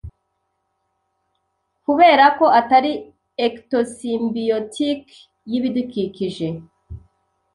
kuberako atari ectosymbiotic yibidukikije,